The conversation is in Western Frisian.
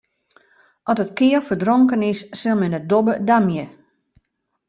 As it keal ferdronken is, sil men de dobbe damje.